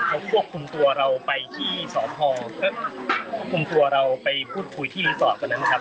เขาควบคุมตัวเราไปที่ทอพเออควุมตัวเราไปพูดคุยที่ทอพเมื่อกันครับ